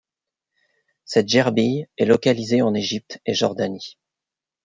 Cette gerbille est localisée en Égypte et Jordanie.